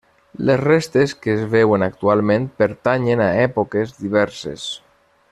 Les restes que es veuen actualment pertanyen a èpoques diverses.